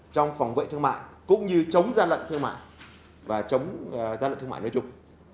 trong phòng vệ thương mại cũng như chống gia lận thương mại và chống gia lận thương mại nơi trục